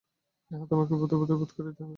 ইহা তোমাকে বোধে বোধ করিতে হইবে।